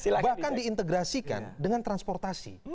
bahkan diintegrasikan dengan transportasi